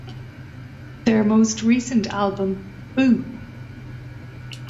Their most recent album, Boo!